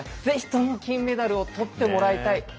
ぜひとも金メダルを取ってもらいたい。